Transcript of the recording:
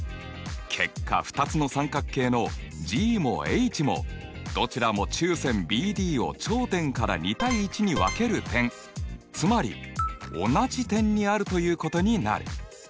結果２つの三角形のＧもＨもどちらも中線ＢＤを頂点から２：１に分ける点つまり同じ点にあるということになる。